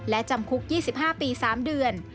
และจำคุกยี่สิบห้าปีสามเดือน